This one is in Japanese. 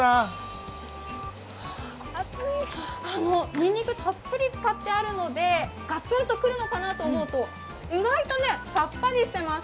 にんにくたっぷり使ってあるのでガツンとくるのかなと思うと、意外とさっぱりしています。